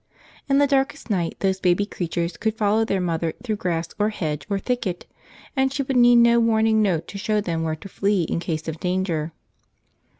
In the darkest night those baby creatures could follow their mother through grass or hedge or thicket, and she would need no warning note to show them where to flee in case of danger.